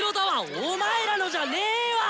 お前らのじゃねーわ！